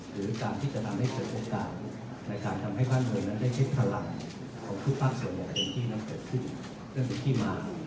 หรือการที่จะทำให้เจอโอกาสในการทำให้ฟากเงินได้เช็คขลับส่วนให้เจอที่มา